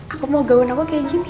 aku mau gaun aku kayak gini